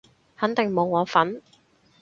肯定冇我份